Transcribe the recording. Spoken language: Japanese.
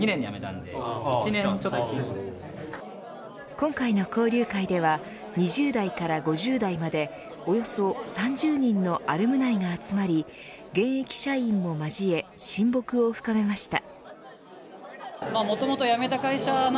今回の交流会では２０代から５０代までおよそ３０人のアルムナイが集まり現役社員も交え親睦を深めました。